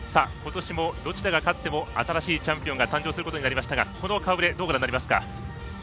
ことしもどちらが勝っても新しいチャンピオンが誕生することになりましたがこの顔ぶれどうご覧になりますか？